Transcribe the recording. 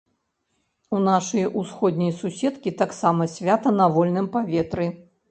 У нашай усходняй суседкі таксама свята на вольным паветры.